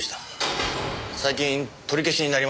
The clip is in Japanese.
最近取り消しになりましたけどね。